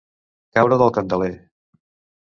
Caure del candeler.